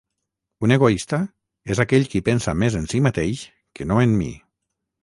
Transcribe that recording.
Un egoista és aquell qui pensa més en si mateix que no en mi